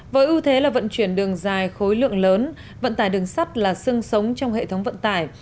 với ưu thế là vận chuyển đường dài khối lượng lớn vận tải đường sắt là sưng sống trong hệ thống vận tải